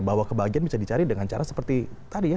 bahwa kebahagiaan bisa dicari dengan cara seperti tadi ya